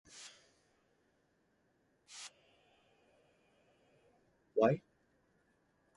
Why?